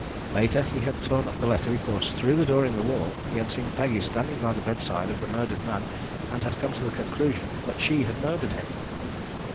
Later he had torn up the letter because through the door in the wall he had seen Peggy standing by the bedside of the murdered man, and had come to the conclusion that she had murdered him.